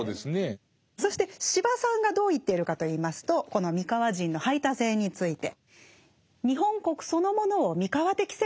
そして司馬さんがどう言っているかといいますとこの三河人の排他性について。